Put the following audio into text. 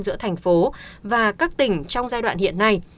giữa tp hcm và các tỉnh trong giai đoạn hiện nay